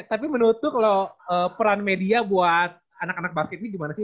tapi menutup kalau peran media buat anak anak basket ini gimana sih